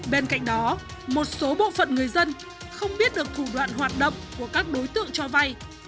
bên cạnh đó một số bộ phận người dân không biết được thủ đoạn hoạt động của các đối tượng cho vay